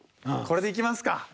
これでいきますか。